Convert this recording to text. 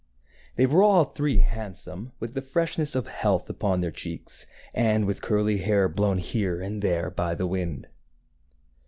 They were all three handsome, with the freshness of health upon their cheeks, and with curly hair blown here and there by the wind.